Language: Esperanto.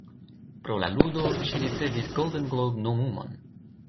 Pro la ludo, ŝi ricevis Golden Globe-nomumon.